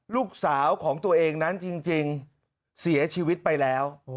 ลูกสาวของตัวเองนั้นจริงเสียชีวิตไปแล้ว